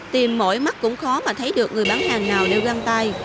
tìm mỗi mắt cũng khó mà thấy được người bán hàng nào nêu găng tay